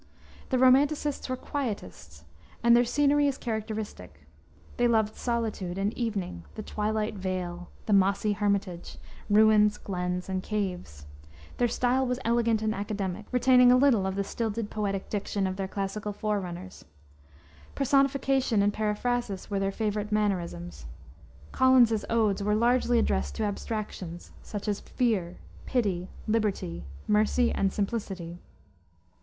The romanticists were quietists, and their scenery is characteristic. They loved solitude and evening, the twilight vale, the mossy hermitage, ruins, glens, and caves. Their style was elegant and academic, retaining a little of the stilted poetic diction of their classical forerunners. Personification and periphrasis were their favorite mannerisms: Collins's Odes were largely addressed to abstractions, such as Fear, Pity, Liberty, Mercy, and Simplicity.